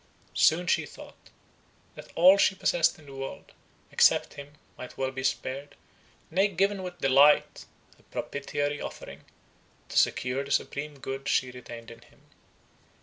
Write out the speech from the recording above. —Soon she thought, that all she possessed in the world, except him, might well be spared, nay, given with delight, a propitiatory offering, to secure the supreme good she retained in him.